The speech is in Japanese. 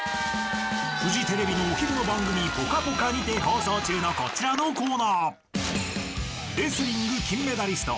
［フジテレビのお昼の番組『ぽかぽか』にて放送中のこちらのコーナー］